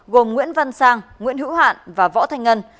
gồm nguyễn văn sang nguyễn hữu hạn và võ thanh ngân